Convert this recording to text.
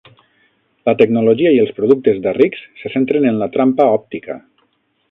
La tecnologia i els productes d'Arryx se centren en la trampa òptica.